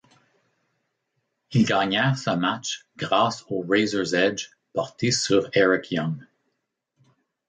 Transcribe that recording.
Ils gagnèrent ce match grâce au Razor's Edge porté sur Eric Young.